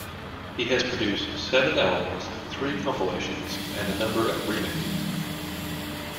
He has produced seven albums, three compilations and a number of remixes.